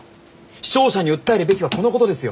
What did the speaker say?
視聴者に訴えるべきはこのことですよ！